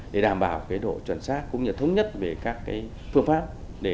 để đảm bảo độ chuẩn xác cũng như thống nhất về các phương pháp